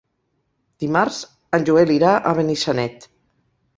Dimarts en Joel irà a Benissanet.